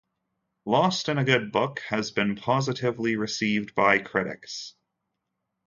"Lost in a Good Book" has been positively received by critics.